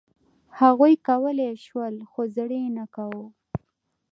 هغوی کولای شول، خو زړه یې نه کاوه.